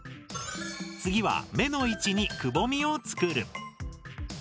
次は目の位置にくぼみを作る。